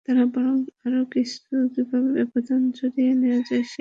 তাঁরা বরং আরও কীভাবে ব্যবধান বাড়িয়ে নেওয়া যায় সেই চেষ্টাই করতে লাগলেন।